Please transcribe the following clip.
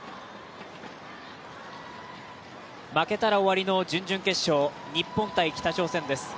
負けたら終わりの準々決勝、日本×北朝鮮です。